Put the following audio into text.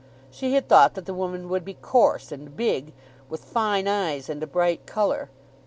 She had thought that the woman would be coarse and big, with fine eyes and a bright colour.